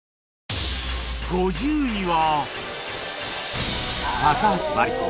５０位は